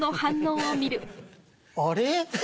あれ？